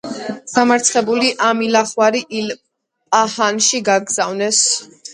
დამარცხებული ამილახვარი ისპაჰანში გაგზავნეს.